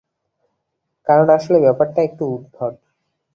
কারণ আসলে ব্যাপারটা একটু উদ্ভট।